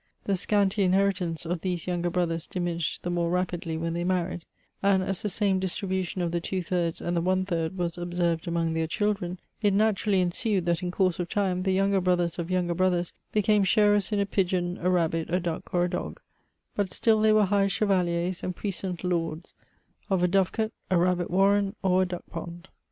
The scanty inhe ritance of these younger brothers diminished the more rapidly when they married ; and as the same distribution of the two thirds, and the one third was observed among their children, it naturally ensued, that in course of time, the younger brothers of younger brothers became sharers ia a pigeon, a imbbit, a duck, or a dog ; but still they were high chevaUen and puissant lords of a dovecote, a rabbit warren, or a duck pond.